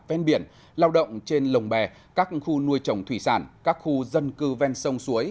ven biển lao động trên lồng bè các khu nuôi trồng thủy sản các khu dân cư ven sông suối